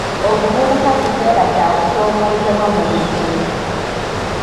Obuvubuka kiseera kya kusoomoozebwa mu buli kintu.